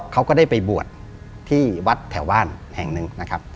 เขาก็ได้ไปบวชที่วัดแถวบ้านแห่งหนึ่งนะครับ